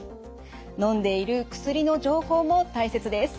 のんでいる薬の情報も大切です。